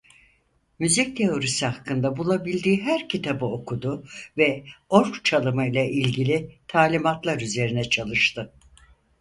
Müzik teorisi hakkında bulabildiği her kitabı okudu ve org çalımı ile ilgili talimatlar üzerine çalıştı.